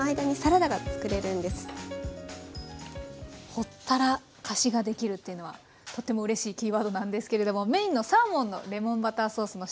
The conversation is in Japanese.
ほったらかしができるっていうのはとってもうれしいキーワードなんですけれどもメインのサーモンのレモンバターソースの下ごしらえから教わります。